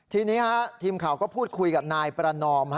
ทีนี้ทีมข่าวก็พูดคุยกับนายประนอม